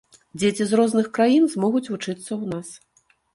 Дзеці з розных краін змогуць вучыцца ў нас.